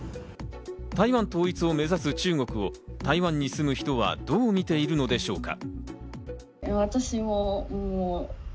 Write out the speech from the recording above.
台湾統一を目指す中国を台湾に住む人はどう見ているのでしょうか？